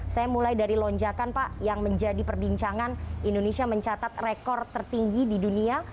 saya mulai dari lonjakan pak yang menjadi perbincangan indonesia mencatat rekor tertinggi di dunia